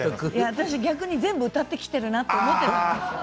私、逆に全部歌ってきたなと思っていたんですよね。